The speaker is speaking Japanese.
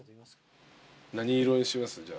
何色にします？